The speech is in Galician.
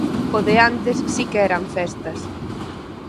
_O de antes si que eran festas.